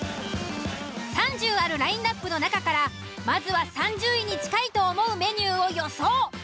３０あるラインアップの中からまずは３０位に近いと思うメニューを予想。